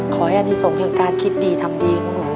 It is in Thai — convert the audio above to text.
ขอให้อันนี้ส่งเหตุการณ์คิดดีทำดีของหนู